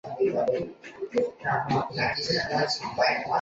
仲英书院的学生会和社团组织较为完善。